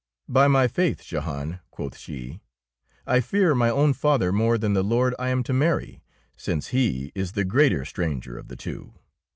^'Bymy faith, Jehan,^' quoth she, "I fear my own father more than the lord I am to marry, since he is the greater stranger of the two.